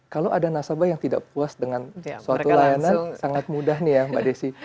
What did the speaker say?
kalau ada nasabah yang tidak puas dengan suatu layanan sangat mudah nih ya mbak desi